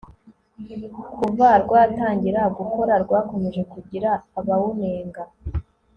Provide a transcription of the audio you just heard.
kuva rwatangira gukora rwakomeje kugira abawunenga